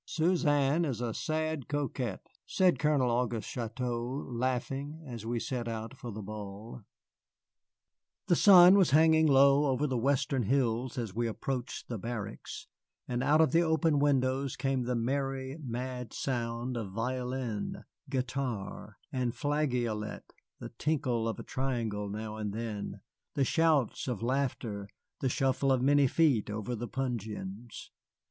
Suzanne is a sad coquette," said Colonel Auguste Chouteau, laughing, as we set out for the ball. The sun was hanging low over the western hills as we approached the barracks, and out of the open windows came the merry, mad sounds of violin, guitar, and flageolet, the tinkle of a triangle now and then, the shouts of laughter, the shuffle of many feet over the puncheons.